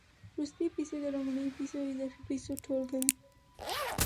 وروستۍ پیسې د لومړنیو پیسو او اضافي پیسو ټولګه ده